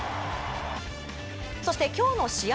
そして今日の試合